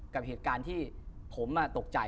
กับเหตุการณ์ที่ผมตกใจ